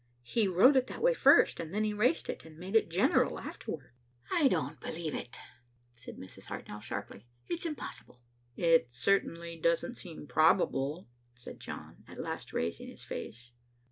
"He wrote it that way first, and then erased it and made it general afterwards." "I don't believe it," said Mrs. Hartnell, sharply. "It's impossible." "It certainly doesn't seem probable," said John, at last raising his face.